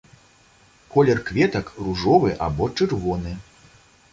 Колер кветак ружовы або чырвоны.